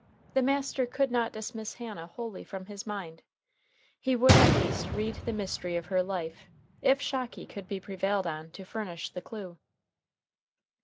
The master could not dismiss Hannah wholly from his mind. He would at least read the mystery of her life, if Shocky could be prevailed on to furnish the clue.